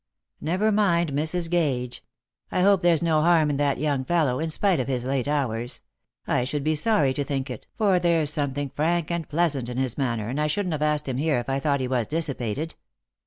" Never mind Mrs. Gage. I hope there's no harm in that young fellow, in spite of his late hours. I should be sorry to think it, for there's something frank and pleasant in his Lost for Love. 27 manner, and I shouldn't have asked him here if I thought he was dissipated."